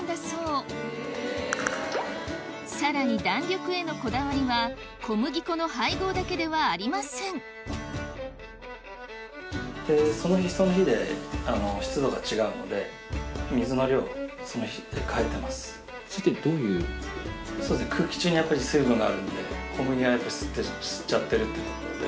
そうさらに弾力へのこだわりは小麦粉の配合だけではありませんそれってどういう？